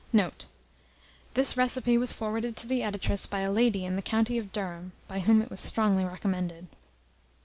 Note. This recipe was forwarded to the Editress by a lady in the county of Durham, by whom it was strongly recommended.